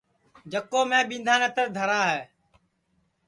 جکو میں ٻِندھا نتر دھرا ہے